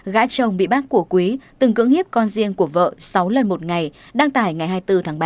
gã chồng bị bắt của quý từng cưỡng hiếp con riêng của vợ sáu lần một ngày đăng tải ngày hai mươi bốn tháng ba